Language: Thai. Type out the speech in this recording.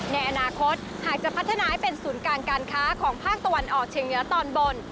ในอนาคตหากจะพัฒนาให้เป็นศูนย์กลางการการค้าของภาคตะวันออกเชียงเหนือตอนบน